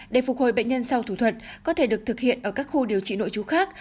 để phục hồi bệnh nhân sau thủ thuận có thể được thực hiện ở các khu điều trị nội chú khác